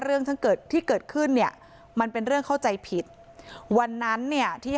เรื่องทั้งเกิดที่เกิดขึ้นเนี่ยมันเป็นเรื่องเข้าใจผิดวันนั้นเนี่ยที่